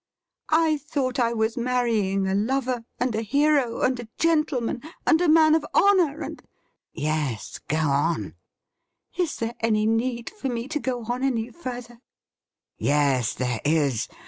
I thought I was marrying a lover, and a hero, and a gentle man, and a man of honour, and '' Yes — ^go on.' ' Is there any need for me to go on any further i"' ' Yes, there is.